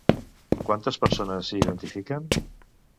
Quantes persones s'hi identifiquen?